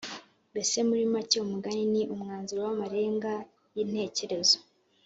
.Mbese muri make umugani ni umwanzuro w’amarenga y’intekerezo